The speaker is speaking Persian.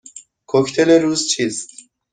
کوکتل روز چیست؟